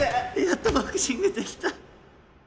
やっとボクシングできた。